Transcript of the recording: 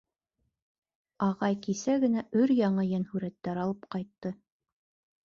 Ағай кисә генә өр-яңы йәнһүрәттәр алып ҡайтты.